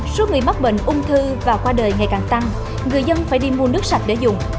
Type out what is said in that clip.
số người mắc bệnh ung thư và qua đời ngày càng tăng người dân phải đi mua nước sạch để dùng